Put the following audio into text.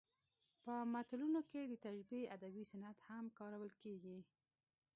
په متلونو کې د تشبیه ادبي صنعت هم کارول کیږي